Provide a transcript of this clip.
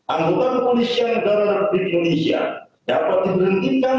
anggota kepolisian negara republik indonesia dapat diberhentikan